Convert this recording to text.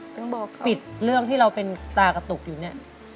ต้องบอกปิดเรื่องที่เราเป็นตากระตุกอยู่เนี่ย